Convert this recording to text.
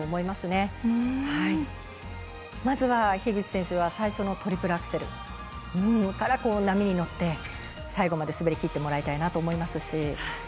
まずは樋口選手は最初のトリプルアクセルから波に乗って、最後まで滑りきってもらいたいなと思いますし。